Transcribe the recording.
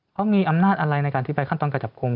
เขามีอำนาจอะไรในการที่ไปขั้นตอนการจับกลุ่ม